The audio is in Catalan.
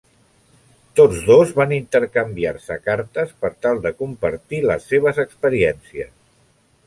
Tots dos van intercanviar-se cartes per tal de compartir les seves experiències.